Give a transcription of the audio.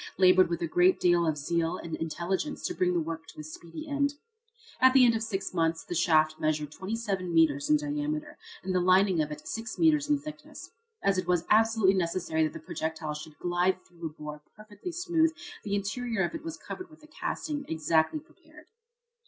labored with a great deal of zeal and intelligence to bring the work to a speedy end. At the end of six months the shaft measured 27 metres in diameter and the lining of it 6 metres in thickness. As it was absolutely necessary that the projectile should glide through a bore perfectly smooth the interior of it was covered with a casting exactly prepared.